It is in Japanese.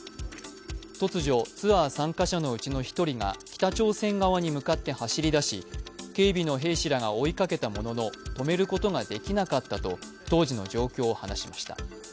突如、ツアー参加者のうちの１人が北朝鮮側に向かって走り出し、警備の兵士らが追いかけたものの止めることができなかったと当時の状況を話しました。